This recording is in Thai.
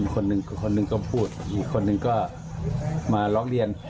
คนหนึ่งก็พูดอีกคนหนึ่งก็มาล๊อคเรียน